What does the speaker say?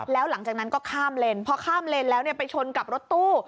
แล้วหลังจากนั้นก็ข้ามเลนพอข้ามเลนแล้วไปชนกับรถตู้